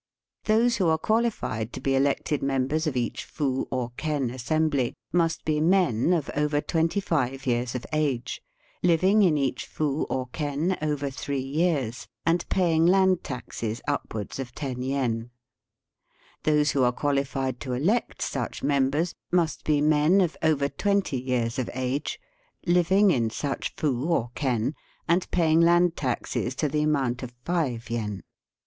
Those who are qualified to be elected members of each fu or ken assembly must be men of over twenty five years of age, living in each fu or ken over three years, and paying land taxes upwards of ten yen. Those who are quaUfied to elect such members must be men of over twenty years of age, living Digitized by VjOOQIC THE NEW EMPIBE IN THE WEST. 91 in such fa or ken, and paying land taxes to the amount of five yen.